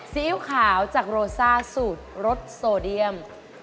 ซีอิ๊วขาวจากโรซ่าสูตรรสโซเดียม